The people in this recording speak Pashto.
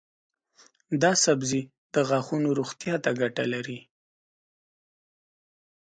دا سبزی د غاښونو روغتیا ته ګټه لري.